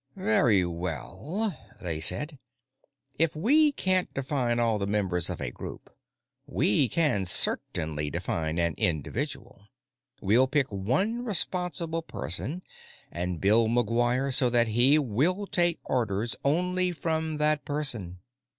"Very well," they'd said, "if we can't define all the members of a group, we can certainly define an individual. We'll pick one responsible person and build McGuire so that he will take orders only from that person."